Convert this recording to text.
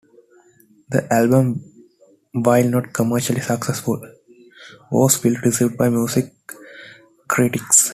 The album, while not commercially successful, was well-received by music critics.